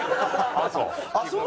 ああそう。